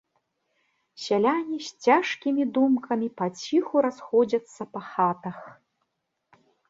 Сяляне з цяжкімі думкамі паціху расходзяцца па хатах.